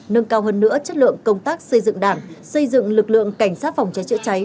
nâng cao hơn nữa chất lượng công tác xây dựng đảng xây dựng lực lượng cảnh sát phòng cháy chữa cháy